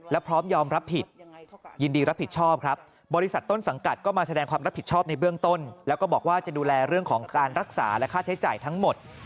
แล้วก็บอกว่าจะดูแลเรื่องของการรักษาและค่าใช้จ่ายทั้งหมด